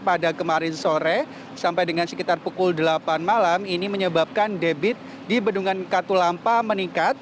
pada kemarin sore sampai dengan sekitar pukul delapan malam ini menyebabkan debit di bendungan katulampa meningkat